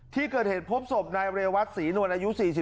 ที่เกิดเห็นพบสมนายเรวัตรศรีนวรรยุ๔๔